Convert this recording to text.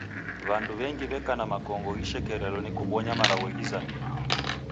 W'andu w'engi w'eka na makongo ghishekerelo ni kubonywa malagho ghizamie.